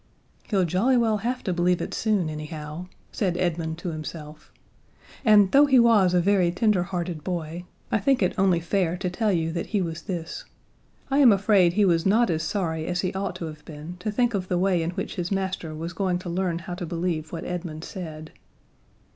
"He'll jolly well have to believe it soon, anyhow," said Edmund to himself, and though he was a very tender hearted boy I think it only fair to tell you that he was this I am afraid he was not as sorry as he ought to have been to think of the way in which his master was going to learn how to believe what Edmund said.